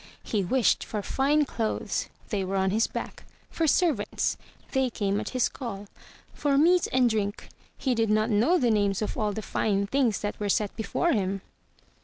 He wished for fine clothes. They were on his back. For servants. They came at his call. For meat and drink. He did not know the names of all the fine things that were set before him.